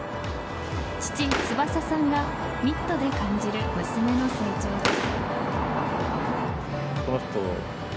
父・翼さんがミットで感じる娘の成長です。